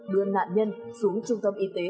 đưa nạn nhân xuống trung tâm y tế